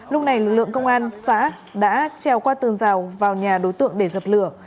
lúc này lực lượng công an xã đã treo qua tường rào vào nhà đối tượng để dập lửa